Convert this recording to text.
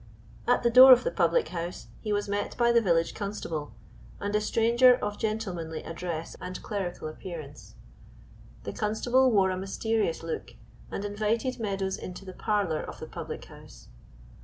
At the door of the public house he was met by the village constable, and a stranger of gentlemanly address and clerical appearance. The constable wore a mysterious look and invited Meadows into the parlor of the public house.